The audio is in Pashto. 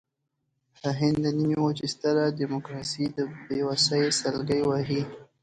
د هند د نیمې وچې ستره ډیموکراسي د بېوسۍ سلګۍ وهي.